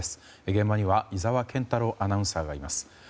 現場には井澤健太朗アナウンサーがいます。